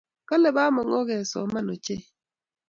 Kale Bamongo kesoman ochei